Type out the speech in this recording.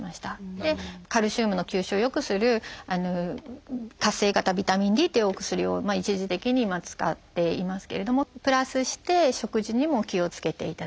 カルシウムの吸収を良くする活性型ビタミンＤというお薬を一時的に使っていますけれどもプラスして食事にも気をつけていただいています。